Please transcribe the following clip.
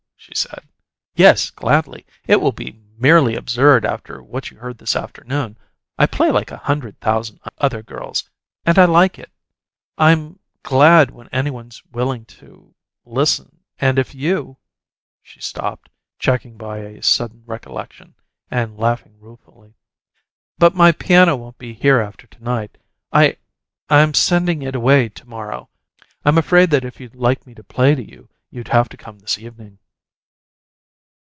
she said. "Yes, gladly. It will be merely absurd after what you heard this afternoon. I play like a hundred thousand other girls, and I like it. I'm glad when any one's willing to listen, and if you " She stopped, checked by a sudden recollection, and laughed ruefully. "But my piano won't be here after to night. I I'm sending it away to morrow. I'm afraid that if you'd like me to play to you you'd have to come this evening."